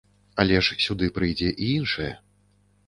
Але ж сюды прыйдзе і іншае.